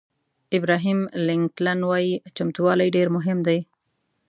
ابراهیم لینکلن وایي چمتووالی ډېر مهم دی.